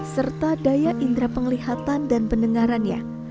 serta daya indera penglihatan dan pendengarannya